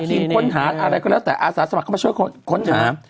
ทีมค้นหาอะไรก็แล้วแต่อาสาสมัครเข้ามาช่วยค้นหา